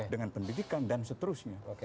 dengan pendidikan dan seterusnya